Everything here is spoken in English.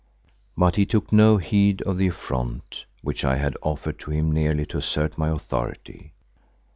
But he took no heed of the affront which I had offered to him merely to assert my authority.